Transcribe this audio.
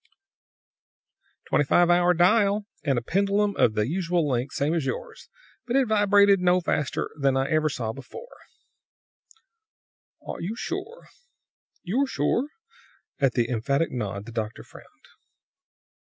"Twenty five hour dial, and a pendulum of the usual length, same as yours. But it vibrated no faster than any I ever saw before." "You're sure?" At the emphatic nod the doctor frowned.